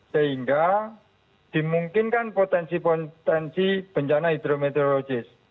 sehingga dimungkinkan potensi potensi bencana hidrometeorologis